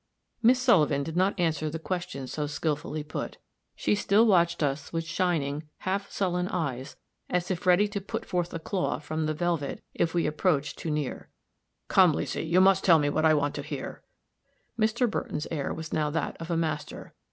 Miss Sullivan did not answer the question so skillfully put; she still watched us with shining, half sullen eyes, as if ready to put forth a claw from the velvet, if we approached too near. "Come, Leesy, you must tell me what I want to hear." Mr. Burton's air was now that of a master.